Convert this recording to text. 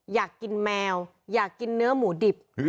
อยากกินแมวอยากกินเนื้อหมูดิบ